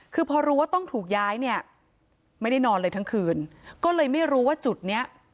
คือพอรู้ว่าต้องถูกย้ายเนี่ยไม่ได้นอนเลยทั้งคืนก็เลยไม่รู้ว่าจุดเนี้ย